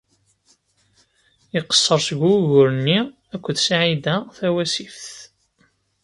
Iqeṣṣer ɣef wugur-nni akked Saɛida Tawasift.